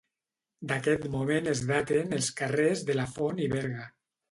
D'aquest moment es daten els carrers de la Font i Berga.